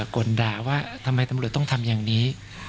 กลด่าว่าทำไมตำรวจต้องทำอย่างนี้